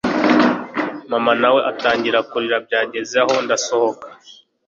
mama nawe atangira kurira byagezaho ndasohoka